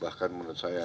bahkan menurut saya